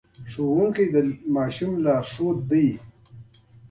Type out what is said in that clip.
ښوونکي د ماشوم لارښود دي.